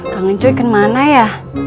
kangen cuy kemana ya